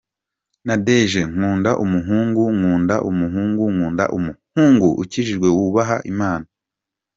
Nadege: nkunda umuhungu… nkunda umuhungu unkunda, umuhungu ukijijwe wubaha Imana….